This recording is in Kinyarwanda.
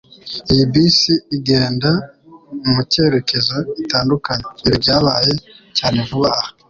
Iyi bisi igenda mucyerekezo gitandukanye. Ibi byabaye cyane vuba aha.